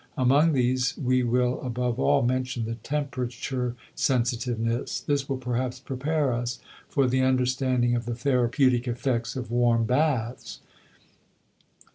Among these we will above all mention the temperature sensitiveness; this will perhaps prepare us for the understanding of the therapeutic effects of warm baths.